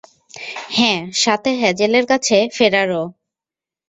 হ্যাঁ, সাথে হ্যাজেলের কাছে ফেরারও।